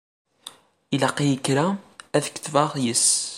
Ilaq-iyi kra ad ketbeɣ yess.